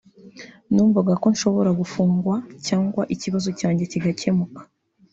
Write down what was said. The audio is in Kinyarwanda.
numvaga ko nshobora gufungwa cyangwa ikibazo cyanjye kigakemuka